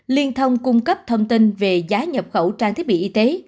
liên thông cung cấp thông tin về giá nhập khẩu trang thiết bị y tế